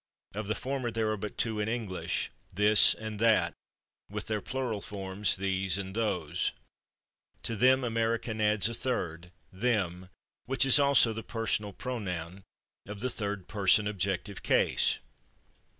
Of the former there [Pg216] are but two in English, /this/ and /that/, with their plural forms, /these/ and /those/. To them, American adds a third, /them/, which is also the personal pronoun of the third person, objective case.